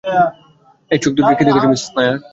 এই চোখ দুটিতে কী দেখছ, মিসেস নায়ার?